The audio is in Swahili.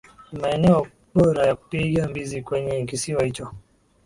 Ni maeneo bora ya kupiga mbizi kwenye kisiwa hicho